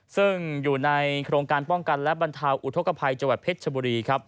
ซึ่งอยู่ในโรงการป้องกันและบรรเทาอุทธกภัยเก๋ชบุรี